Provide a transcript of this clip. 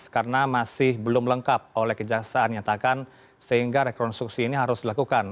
karena masih belum lengkap oleh kejaksaan nyatakan sehingga rekonstruksi ini harus dilakukan